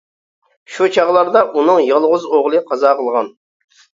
شۇ چاغلاردا ئۇنىڭ يالغۇز ئوغلى قازا قىلغان.